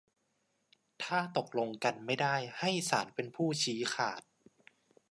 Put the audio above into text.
ถ้าตกลงกันไม่ได้ให้ศาลเป็นผู้ชี้ขาด